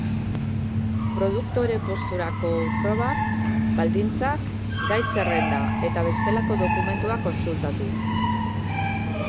Produktore posturako probak, baldintzak, gai-zerrenda eta bestelako dokumentuak kontsultatu.